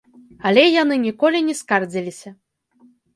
Але яны ніколі не скардзіліся.